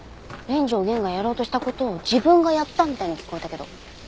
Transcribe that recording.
連城源がやろうとした事を自分がやったみたいに聞こえたけど。